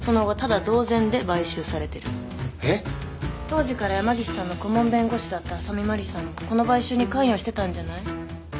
当時から山岸さんの顧問弁護士だった浅見麻里さんもこの買収に関与してたんじゃない？